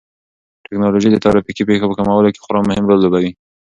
ټیکنالوژي د ترافیکي پېښو په کمولو کې خورا مهم رول لوبوي.